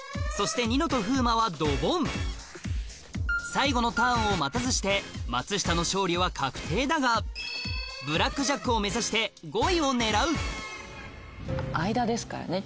最後のターンを待たずして松下の勝利は確定だがブラックジャックを目指して５位を狙う間ですからね